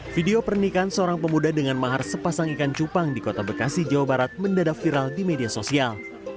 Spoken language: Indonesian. video pernikahan seorang pemuda dengan mahar sepasang ikan cupang di kota bekasi jawa barat mendadak viral di media sosial